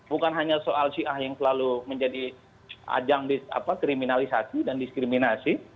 bukan hanya soal syiah yang selalu menjadi ajang kriminalisasi dan diskriminasi